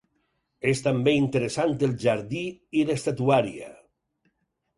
És també interessant el jardí i l'estatuària.